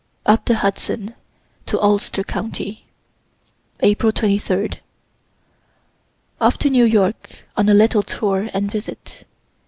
UP THE HUDSON TO ULSTER COUNTY April 23. Off to New York on a little tour and visit.